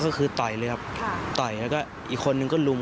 ก็คือต่อยเลยครับต่อยแล้วก็อีกคนนึงก็ลุม